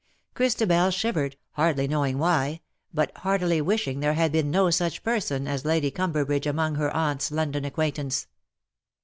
Christabel shivered,, hardly knowing why, hut heartily wishing there had been no such person as Lady Cumberbridge among her aunt's London acquaintance.